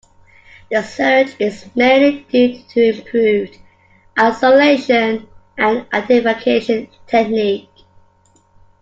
The surge is mainly due to improved isolation and identification technique.